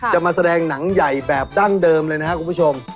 จะมาแสดงหนังใหญ่แบบดั้งเดิมเลยนะครับคุณผู้ชม